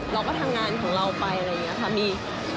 เราก็ทำงานของเราไปอะไรอย่างนี้ค่ะพี่